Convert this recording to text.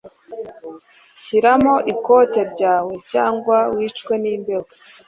Shyiramo ikoti ryawe, cyangwa wicwe n'imbeho.